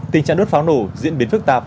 tình trạng đốt pháo nổ diễn biến phức tạp